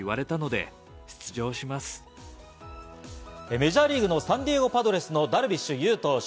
メジャーリーグのサンディエゴ・パドレスのダルビッシュ有投手。